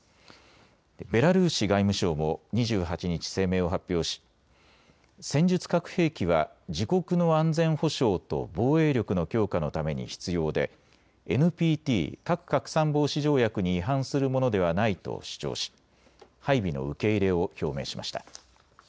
ベラルーシ外務省も２８日、声明を発表し戦術核兵器は自国の安全保障と防衛力の強化のために必要でＮＰＴ・核拡散防止条約に違反するものではないと主張し配備の受け入れを表明しました。